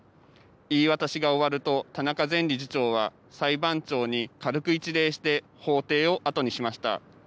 言い渡しが終わると田中前理事長は裁判長に軽く一礼して法廷を後にしました。